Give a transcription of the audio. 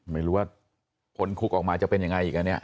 ไม่รู้ว่าคนคุกออกมาจะเป็นอย่างไรอีกแล้วนี่